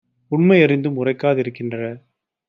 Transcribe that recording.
உண்மை யறிந்தும் உரைக்கா திருக்கின்ற